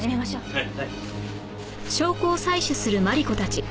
はい。